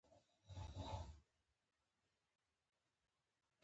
دا توپیر د ډیرو برخو پوری غځیدلی دی.